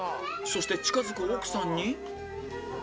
そして近づく奥さんに